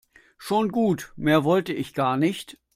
Schon gut, mehr wollte ich gar nicht.